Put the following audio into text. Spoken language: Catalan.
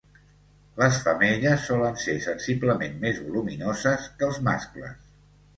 Les femelles solen ser sensiblement més voluminoses que els mascles.